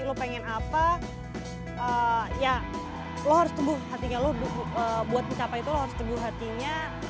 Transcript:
lo pengen apa ya lo harus teguh hatinya lo buat mencapai itu lo harus teguh hatinya